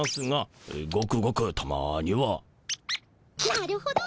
なるほど！